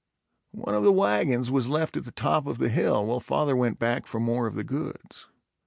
One of the wagons was left at the top of the hill while father went back for more of the goods.